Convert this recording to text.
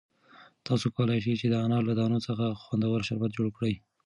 تاسو کولای شئ چې د انار له دانو څخه خوندور شربت جوړ کړئ.